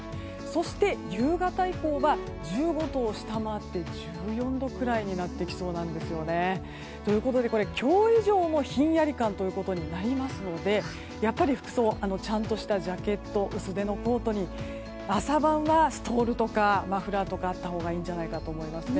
そして、夕方以降は１５度を下回って１４度くらいになってきそうなんですよね。ということで今日以上のひんやり感ということになりますのでやっぱり、服装はちゃんとしたジャケット薄手のコートに朝晩はストールとかマフラーがあったほうがいいんじゃないかなと思います。